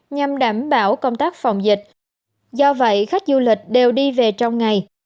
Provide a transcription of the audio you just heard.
nhằm đảm bảo công tác phòng dịch do vậy khách du lịch đều đi về trong ngày